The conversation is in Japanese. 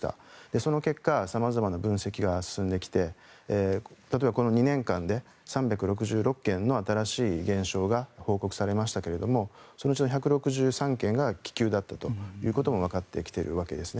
その結果、様々な分析が進んできて例えばこの２年間で３６６件の新しい現象が報告されましたけれどもそのうちの１６３件が気球だったということもわかってきているわけですね。